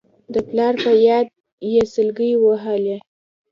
د پلار په ياد يې سلګۍ ووهلې.